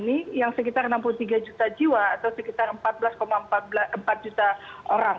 nah ini adalah yang terakhir dari penelitian dunia saat ini yang sekitar enam puluh tiga juta jiwa atau sekitar empat belas empat juta orang